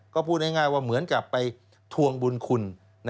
ก็พูดง่ายว่าเหมือนกับไปทวงบุญคุณ